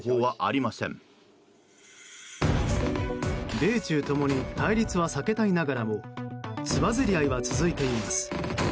米中共に対立は避けたいながらもつばぜり合いは続いています。